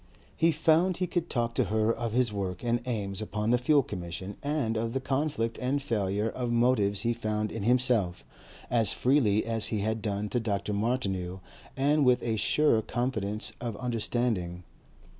He found he could talk to her of his work and aims upon the Fuel Commission and of the conflict and failure of motives he found in himself, as freely as he had done to Dr. Martineau and with a surer confidence of understanding.